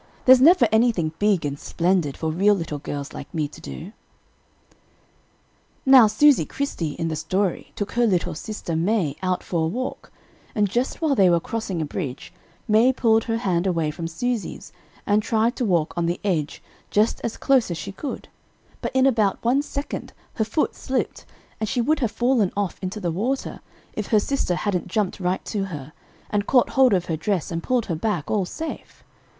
There's never anything big and splendid for real little girls like me to do. "Now, Susy Chrystie, in the story, took her little sister May out for a walk, and just while they were crossing a bridge, May pulled her hand away from Susy's, and tried to walk on the edge, just as close as she could; but in about one second her foot slipped, and she would have fallen off into the water if her sister hadn't jumped right to her, and caught hold of her dress, and pulled her back all safe.